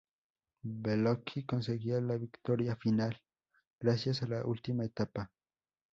Beloki, conseguía la victoria final gracias a la última etapa.